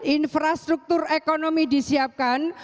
infrastruktur ekonomi disiapkan